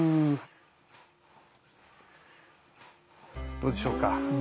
どうでしょうか？